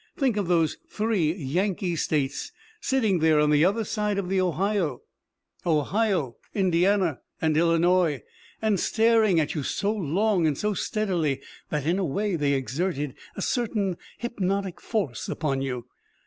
Think of those three Yankee states sitting there on the other side of the Ohio Ohio, Indiana and Illinois and staring at you so long and so steadily that, in a way, they exerted a certain hypnotic force upon you.